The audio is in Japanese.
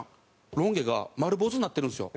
ロン毛が丸坊主になってるんですよ。